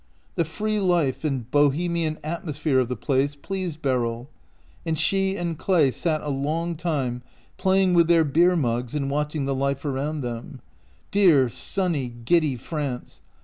The free life and Bohemian atmosphere of the place pleased Beryl, and she and Clay sat a long time playing with their beer mugs and watching the life around them. Dear, 229 OUT OF BOHEMIA sunny, giddy France!